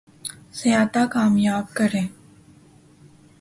زیادہ کامیاب کریں